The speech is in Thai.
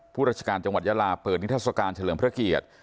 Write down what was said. ราชการจังหวัดยาลาเปิดนิทัศกาลเฉลิมพระเกียรติ